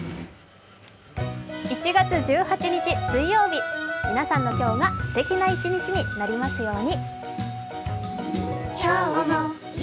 １月１８日水曜日、皆さんの今日がすてきな一日になりますように。